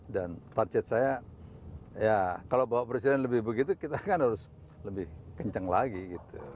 dan target saya ya kalau bawa presiden lebih begitu kita kan harus lebih kencang lagi gitu